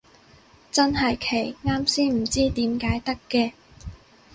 真係奇，啱先唔知點解得嘅